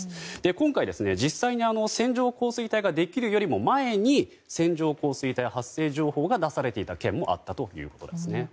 今回、実際に線状降水帯ができるよりも前に線状降水帯発生情報が出されていた県もあったということですね。